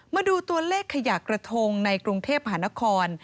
มาดูตัวเลขขยะกระทงในกรุงเทพหานคร